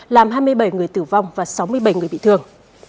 làm hai mươi bảy người tử vong và sáu mươi bảy người bị thương